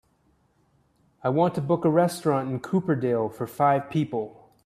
I want to book a restaurant in Cooperdale for five people.